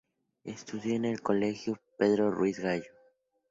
Estudió en el colegio Pedro Ruiz Gallo.